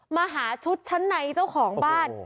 มาหาชุดชั้นในเจ้าของบ้าน